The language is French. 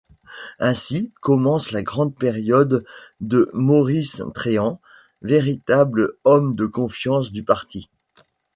Ainsi commence la grande période de Maurice Tréand, véritable homme de confiance du parti.